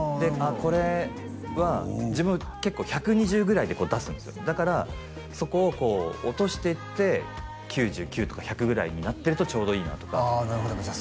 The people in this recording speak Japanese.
これは自分結構１２０ぐらいで出すんですよだからそこをこう落としてって９９とか１００ぐらいになってるとちょうどいいなとかああなるほどじゃあ